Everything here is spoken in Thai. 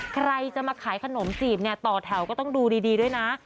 ใครจะมาขายขนมจีบเนี่ยต่อแถวก็ต้องดูดีด้วยนะ